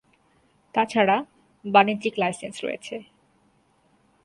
তাছাড়া, বাণিজ্যিক লাইসেন্স রয়েছে।